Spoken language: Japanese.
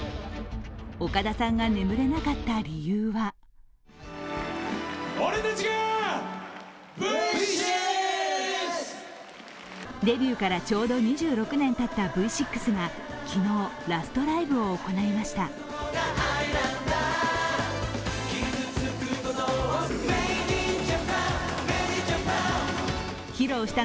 岡田さんが眠れなかった理由はデビューからちょうど２６年たったＶ６が昨日、ラストライブを行いました。